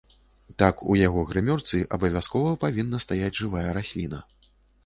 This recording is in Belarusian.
Так, у яго грымёрцы абавязкова павінна стаяць жывая расліна.